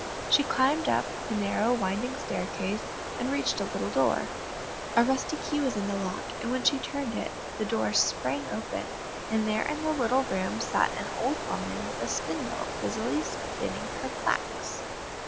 She climbed up the narrow winding staircase, and reached a little door. A rusty key was in the lock, and when she turned it the door sprang open, and there in a little room sat an old woman with a spindle, busily spinning her flax.